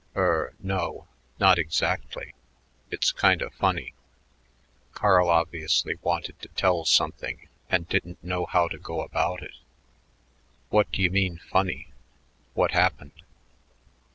"Er no. Not exactly. It's kinda funny." Carl obviously wanted to tell something and didn't know how to go about it. "What do you mean 'funny'? What happened?"